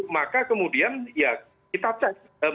maka kemudian ya kita cek